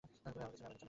তুমি আমাকে চেন!